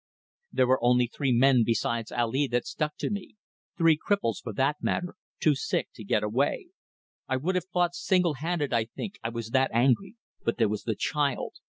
There were only three men besides Ali that stuck to me three cripples, for that matter, too sick to get away. I would have fought singlehanded, I think, I was that angry, but there was the child.